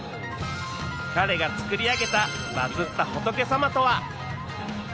彼が作り上げたバズった仏さまとは？